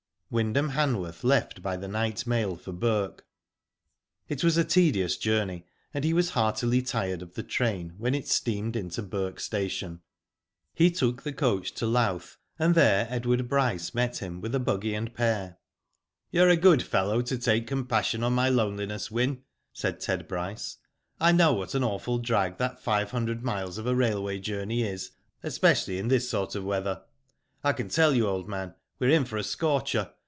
Wyndham Hanworth left by the night mail for Bourke. It was a tedious journey, and he was heartily tired of the train, when it steamed into Bourke Station. He took the coach to Louth, and there Edward Bryce met him with a buggy and pair. " You are a good fellow to take compassion on my loneliness, Wyn," said Ted Bryce. I know what an awful drag that five hundred miles of a railway journey is, especially in this sort of weather. I can tell you, old man, we're in for a scorcher.